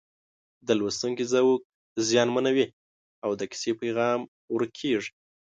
د لوستونکي ذوق زیانمنوي او د کیسې پیغام ورک کېږي